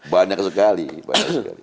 banyak sekali banyak sekali